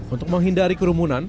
untuk menghindari kerumunan